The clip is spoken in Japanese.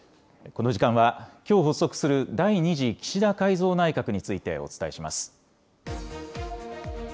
この時間はきょう発足する第２次岸田改造内閣についてお伝えします。